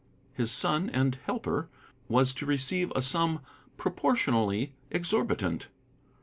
His son and helper was to receive a sum proportionally exorbitant.